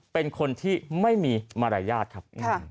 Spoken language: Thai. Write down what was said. เป็นคนที่ไม่มีมารยาทครับ